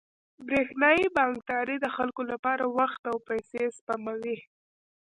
برېښنايي بانکداري د خلکو لپاره وخت او پیسې سپموي.